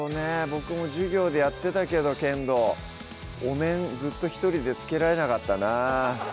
僕も授業でやってたけど剣道お面ずっと１人で着けられなかったなぁ